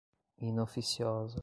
inoficiosa